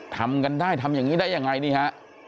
ทำกันได้ทำอย่างนี้ได้ยังไงนี่ฮะ